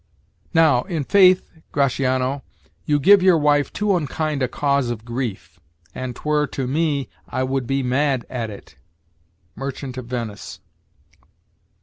"Now, in faith, Gratiano, You give your wife too unkind a cause of grief; An 'twere, to me, I would be mad at it." "Merchant of Venice."